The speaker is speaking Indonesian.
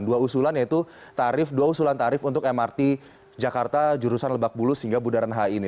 dua usulan yaitu tarif dua usulan tarif untuk mrt jakarta jurusan lebak bulus hingga bundaran hi ini